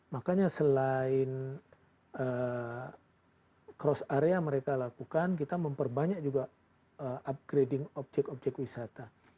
makanya selain cross area mereka lakukan kita memperbanyak juga upgrading objek objek wisata